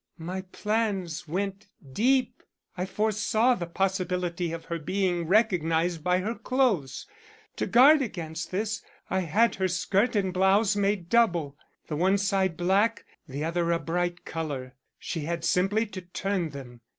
My plans went deep; I foresaw the possibility of her being recognized by her clothes. To guard against this, I had her skirt and blouse made double, the one side black, the other a bright color. She had simply to turn them.